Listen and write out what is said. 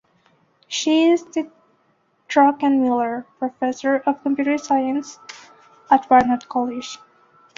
She is the Druckenmiller Professor of Computer Science at Barnard College.